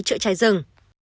trợ trái rừng